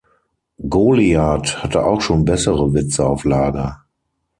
Goliat hatte auch schon bessere Witze auf Lager.